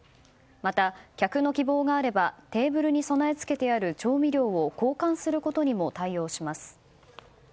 また、客の希望があればテーブルに備え付けられている調味料を交換することにも対応します。